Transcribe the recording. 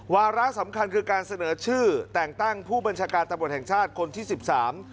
วาระสำคัญคือการเสนอชื่อแต่งตั้งผู้บัญชาการตำรวจแห่งชาติคนที่สิบสาม